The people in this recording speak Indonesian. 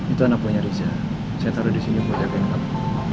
itu anak punya riza saya taruh di sini buat jagain kabut